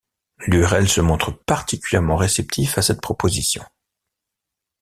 Lurel se montre particulièrement réceptif à cette proposition.